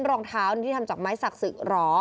พื้นรองเท้าที่ที่ทำจากไม้สักสึกหรอ